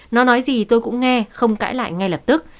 nó nói gì tôi cũng nghe không cãi lại ngay lập tức